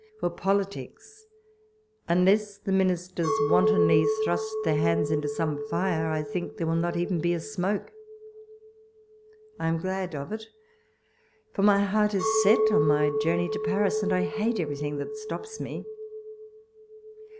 For politics, unless the ministers "wantonly thrust their hands into some fire, I think there will not even be a smoke. I am glad of it, for my heart is set on my journey to Paris, and I hate everything that stops me.